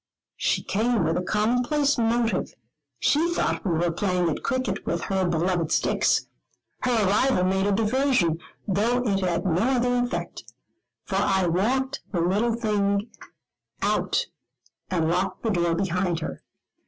She came with a commonplace motive; she thought we were playing at cricket with her beloved sticks. Her arrival made a diversion, though it had no other effect, for I walked the little thing out, and locked the door behind her.